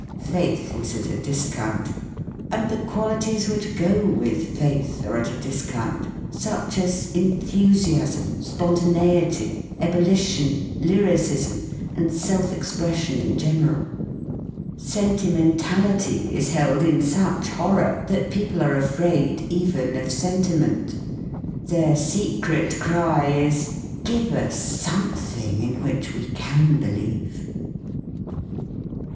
Faith is at a discount. And the qualities which go with faith are at a discount; such as enthusiasm, spon taneity, ebullition, lyricism, and self expression in general. Sentimentality is held in such horror that people are afraid even of sentiment. Their secret cry is: "Give us something in which we can believe."